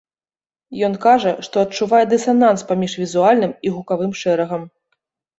Ён кажа, што адчувае дысананс паміж візуальным і гукавым шэрагам.